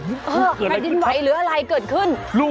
แผ่นดินไหวหรืออะไรเกิดขึ้น